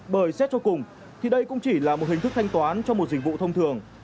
bởi xét cho cùng thì đây cũng chỉ là một hình thức thanh toán cho một dịch vụ thông thường